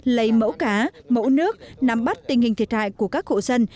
lấy mẫu cá mẫu nước nắm bắt tình hình thiệt hại của các hộ dân